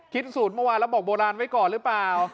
สูตรเมื่อวานแล้วบอกโบราณไว้ก่อนหรือเปล่า